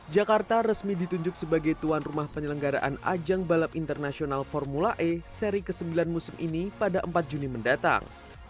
jakarta resmi ditunjuk sebagai tuan rumah penyelenggaraan ajang balap internasional formula e seri ke sembilan musim ini pada empat juni mendatang